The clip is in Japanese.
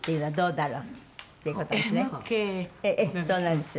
そうなんです。